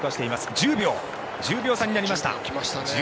１０秒差になりました。